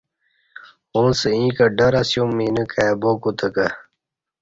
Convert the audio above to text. اݩڅ ییں کہ ڈر اسیوم اینہ کائ با کوتہ کہ